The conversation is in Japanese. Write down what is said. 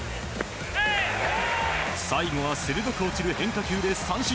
最後は鋭く落ちる変化球で三振。